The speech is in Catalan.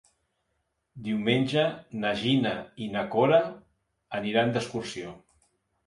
Diumenge na Gina i na Cora aniran d'excursió.